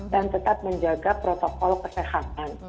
dan tetap menjaga protokol kesehatan